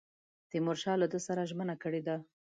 تیمورشاه له ده سره ژمنه کړې ده.